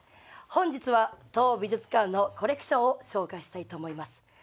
本日は当美術館のコレクションを紹介したいと思います。